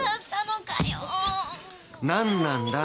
何なんだ